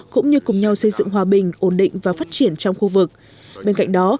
cũng như cùng nhau xây dựng hòa bình ổn định và phát triển trong khu vực bên cạnh đó